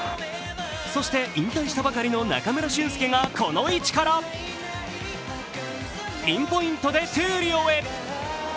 そして引退したばかりの中村俊輔がこの位置からピンポイントへ闘莉王へ。